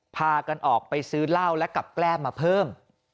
พากันออกไปซื้อเหล้าและกับแก้มมาเพิ่ม